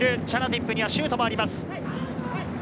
チャナティップにはシュートもあります。